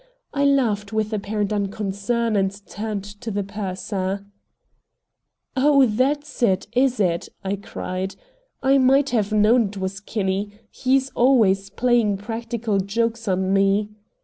I laughed with apparent unconcern, and turned to the purser. "Oh, that's it, is it?" I cried. "I might have known it was Kinney; he's always playing practical jokes on me."